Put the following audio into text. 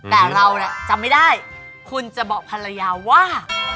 แต่เราจำไม่ได้คุณจะบอกภรรยาว่า